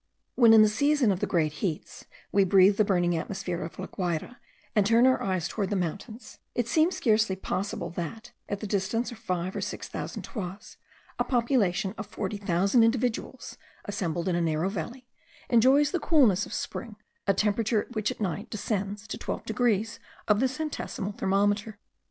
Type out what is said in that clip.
When in the season of the great heats we breathe the burning atmosphere of La Guayra, and turn our eyes towards the mountains, it seems scarcely possible that, at the distance of five or six thousand toises, a population of forty thousand individuals assembled in a narrow valley, enjoys the coolness of spring, a temperature which at night descends to 12 degrees of the centesimal thermometer.